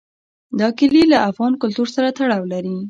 دا کلي له افغان کلتور سره تړاو لري.